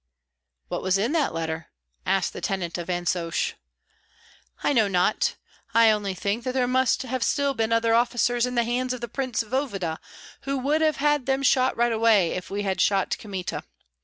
"What was in that letter?" asked the tenant of Vansosh. "I know not; I only think that there must have been still other officers in the hands of the prince voevoda, who would have had them shot right away if we had shot Kmita.